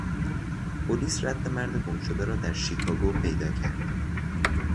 پلیس رد مرد گمشده را در شیکاگو پیدا کرد.